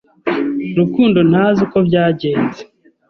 Rukundo ntazi uko byagenze.